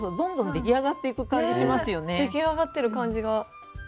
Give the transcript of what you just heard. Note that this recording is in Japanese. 出来上がってる感じが。